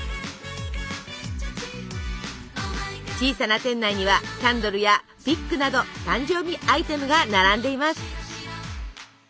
小さな店内にはキャンドルやピックなど誕生日アイテムが並んでいます。